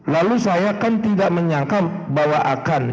lalu saya kan tidak menyangka bahwa akan